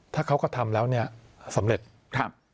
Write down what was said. ถ้าเขาก็ทำแล้วเนี่ยสำเร็จครับ